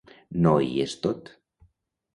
No hi és tot.